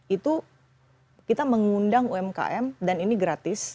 itu kita mengundang umkm dan ini gratis